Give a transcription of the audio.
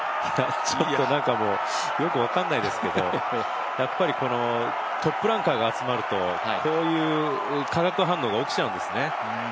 ちょっとなんかもう、よく分かんないですけどトップランカーが集まるとこういう化学反応が起きちゃうんですね。